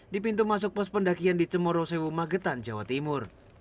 di pintu masuk pos pendakian di cemorosewu magetan jawa timur